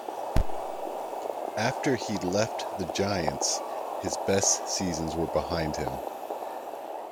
After he left the Giants, his best seasons were behind him.